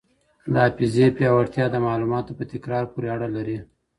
د حافظې پیاوړتیا د معلوماتو په تکرار پوري اړه لري.